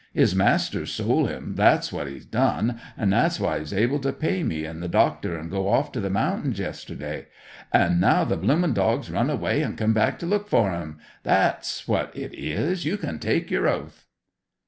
'Is Master's sole him, that's what 'e's done; and that's why 'e was able to pay me, an' the doctor, an' go off to the mountins yesterday. An' now the bloomin' dog's run away an' come back to look for 'im; that's what that is, you can take yer oath."